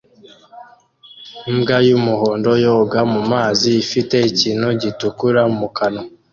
imbwa y'umuhondo yoga mu mazi ifite ikintu gitukura mu kanwa